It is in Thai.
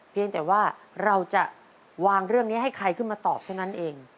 เพียงแต่ว่าเราจะวางเรื่องนี้ให้ใครขึ้นมาตอบเท่านั้นเอง